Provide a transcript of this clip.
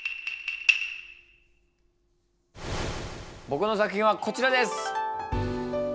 ぼくの作品はこちらです。